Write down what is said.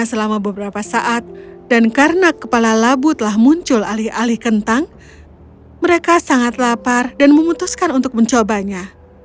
selama beberapa saat dan karena kepala labu telah muncul alih alih kentang mereka sangat lapar dan memutuskan untuk mencobanya